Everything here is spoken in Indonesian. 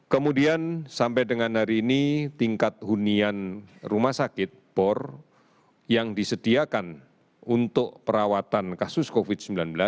kemudian sampai dengan hari ini tingkat hunian rumah sakit bor yang disediakan untuk perawatan kasus covid sembilan belas